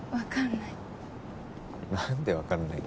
分かんない。